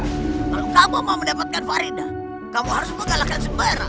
kalau kamu mau mendapatkan faridah kamu harus mengalahkan sembara